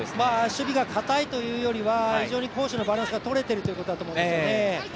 守備がかたいというよりは攻守のバランスがとれているということだと思うんですよね。